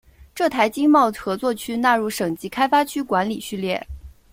浙台经贸合作区纳入省级开发区管理序列。